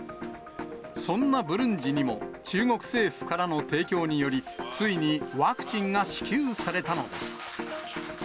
そんなブルンジにも、中国政府からの提供により、ついにワクチンが支給されたのです。